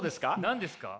何ですか？